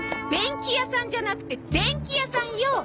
便器屋さんじゃなくて電器屋さんよ。